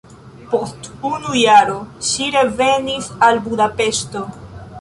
Post unu jaro ŝi revenis al Budapeŝto.